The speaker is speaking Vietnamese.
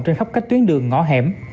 trên khắp cách tuyến đường ngõ hẻm